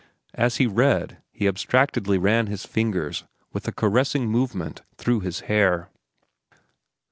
As he read, he abstractedly ran his fingers, with a caressing movement, through his hair.